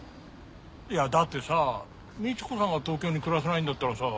いやだってさみち子さんが東京に暮らせないんだったらさ